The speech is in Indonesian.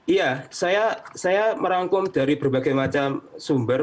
iya saya merangkum dari berbagai macam sumber